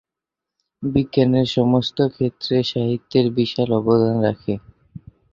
বিজ্ঞানের সমস্ত ক্ষেত্রে, সাহিত্যের বিশাল অবদান রাখে।